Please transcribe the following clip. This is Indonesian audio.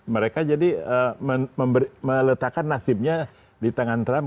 mereka jadi meletakkan nasibnya di tangan trump